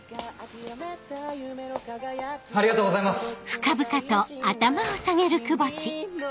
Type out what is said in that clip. ありがとうございます！